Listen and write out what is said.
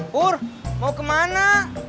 pur mau ke mana